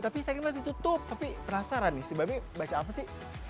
tapi saya kira masih tutup tapi penasaran nih sebabnya baca apa sih